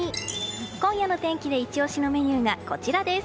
今夜の天気でイチ押しのメニューがこちらです。